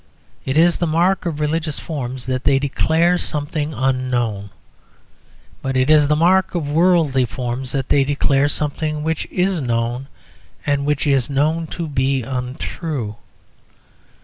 It is the mark of religious forms that they declare something unknown. But it is the mark of worldly forms that they declare something which is known, and which is known to be untrue.